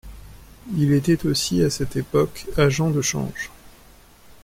Il était aussi à cette époque agent de change.